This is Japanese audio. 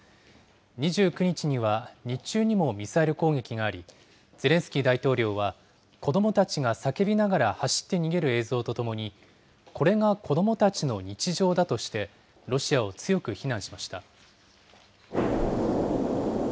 ２９日には、日中にもミサイル攻撃があり、ゼレンスキー大統領は、子どもたちが叫びながら走って逃げる映像とともに、これが子どもたちの日常だとして、ロシアを強く非難しました。